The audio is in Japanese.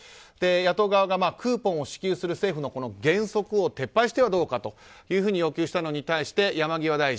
野党側がクーポンを支給する政府の原則を撤廃してはどうかということを要求したのに対し、山際大臣。